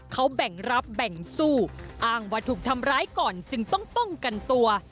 เขาแบ่งรับแบ่งสู้อ้างว่าถูกทำร้ายก่อนจึงต้องป้องกันตัว